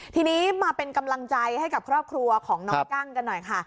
ทีนี้มาเป็นกำลังใจให้กับครอบครัวของน้องกั้งกันหน่อยค่ะ